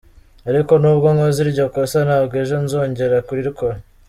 Ariko nubwo nkoze iryo kosa ntabwo ejo nzongera kurikora.